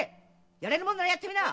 殺れるもんなら殺ってみな‼